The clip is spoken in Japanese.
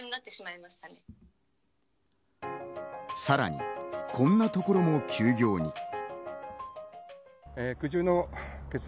さらにこんなところも休業に。